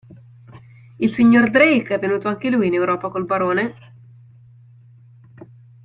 Il signor Drake è venuto anche lui in Europa col barone?